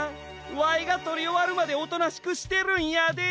わいがとりおわるまでおとなしくしてるんやで。